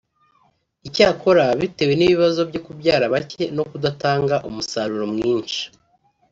Icyakora bitewe n’ibibazo byo kubyara bake no kudatanga umusaruro mwinshi